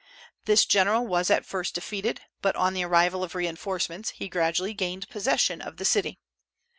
This general was at first defeated, but, on the arrival of reinforcements, he gradually gained possession of the city.